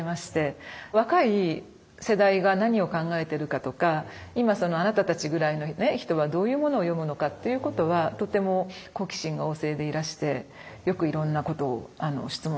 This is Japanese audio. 若い世代が何を考えてるかとか今そのあなたたちぐらいの人はどういうものを読むのかっていうことはとても好奇心が旺盛でいらしてよくいろんなことを質問されましたね。